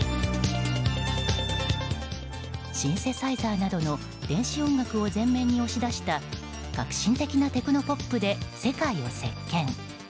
シンセサイザーなどの電子音楽を前面に押し出した革新的なテクノポップで世界を席巻。